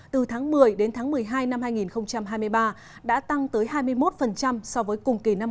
từ tháng một mươi đến tháng một mươi hai năm hai nghìn hai mươi ba đã tăng tới hai mươi một so với cùng kỳ năm hai nghìn hai mươi ba